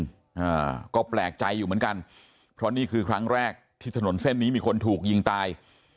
อ่าก็แปลกใจอยู่เหมือนกันเพราะนี่คือครั้งแรกที่ถนนเส้นนี้มีคนถูกยิงตาย